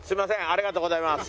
ありがとうございます。